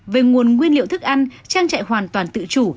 về nguồn nguyên liệu thức ăn trang trại hoàn toàn tự chủ